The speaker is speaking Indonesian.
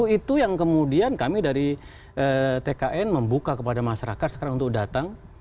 itu yang kemudian kami dari tkn membuka kepada masyarakat sekarang untuk datang